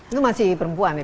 itu masih perempuan ya